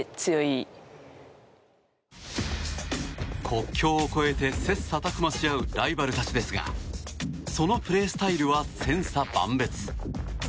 国境を越えて、切磋琢磨し合うライバルたちですがそのプレースタイルは千差万別。